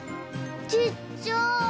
ちっちゃい。